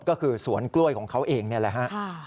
ก็คือสวนกล้วยของเขาเองนี่แหละฮะ